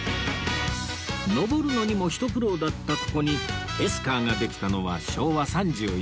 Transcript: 上るのにもひと苦労だったここにエスカーができたのは昭和３４年